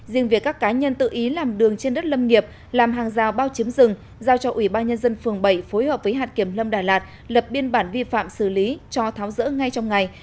riêng việc các cá nhân tự ý làm đường trên đất lâm nghiệp làm hàng rào bao chiếm rừng giao cho ủy ban nhân dân phường bảy phối hợp với hạt kiểm lâm đà lạt lập biên bản vi phạm xử lý cho tháo rỡ ngay trong ngày